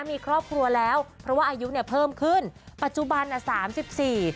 มีครอบครัวแล้วเพราะว่าอายุเนี่ยเพิ่มขึ้นปัจจุบันอ่ะสามสิบสี่